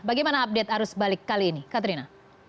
bagaimana update arus balik kali ini katrina